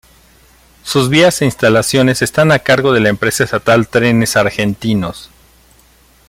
Sus vías e instalaciones están a cargo de la empresa estatal Trenes Argentinos.